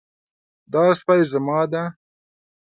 دا سپی زما ده